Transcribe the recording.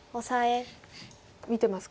見てますか。